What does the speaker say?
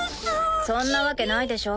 そんなわけないでしょ。